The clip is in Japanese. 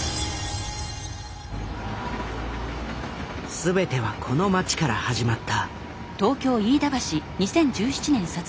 すべてはこの町から始まった。